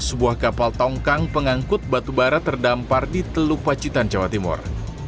sebuah kapal tongkang pengangkut batu bara terdampar di teluk pacitan jawa timur